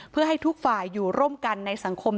เพื่อให้ทุกฝ่ายอยู่ร่วมกันในสังคม